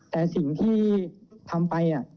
แต่สิ่งที่ทำไป